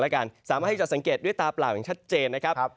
สามารถให้สังเกตด้วยตาเปล่าอย่างชัดเจน